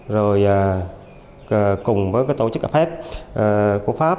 rồi cùng với tổ chức apec của pháp